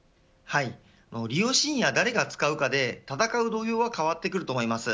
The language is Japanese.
利用シーンや誰が使うかで戦う土俵が変わってくると思います。